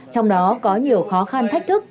trong đó có nhiều khó khăn thách thức